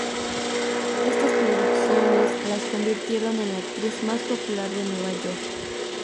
Estas producciones la convirtieron en la actriz más popular de Nueva York.